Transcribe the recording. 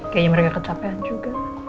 kayaknya mereka kecapean juga